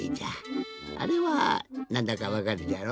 あれはなんだかわかるじゃろ？